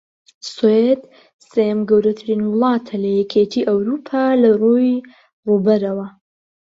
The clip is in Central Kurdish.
سوێد سێیەم گەورەترین وڵاتە لە یەکێتی ئەوڕوپا لەڕووی ڕووبەرەوە